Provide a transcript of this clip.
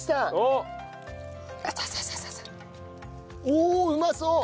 おおうまそう！